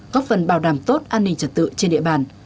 góp phần bảo đảm tốt an ninh trật tự trên địa bàn